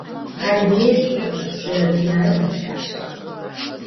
Adıgêir ts'erı'u, zeredunaêu zelhaş'e.